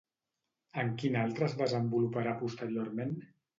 En quin altre es desenvoluparà posteriorment?